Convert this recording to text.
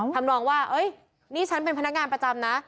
ทำนองว่านี่ฉันเป็นพนักงานประจำนะ